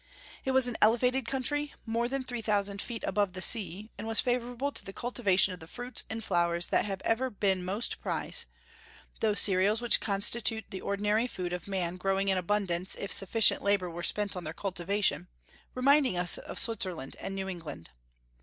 It was an elevated country, more than three thousand feet above the sea, and was favorable to the cultivation of the fruits and flowers that have ever been most prized, those cereals which constitute the ordinary food of man growing in abundance if sufficient labor were spent on their cultivation, reminding us of Switzerland and New England.